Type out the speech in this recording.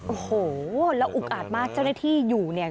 โอ้โหแล้วอุกอาจมากเจ้าหน้าที่อยู่เนี่ย